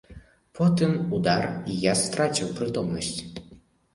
Потым удар, і я страціў прытомнасць.